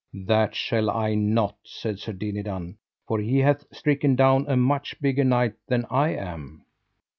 That shall I not, said Sir Dinadan, for he hath stricken down a much bigger knight than I am.